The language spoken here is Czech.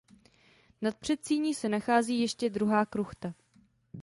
Nad předsíní se nachází ještě druhá kruchta.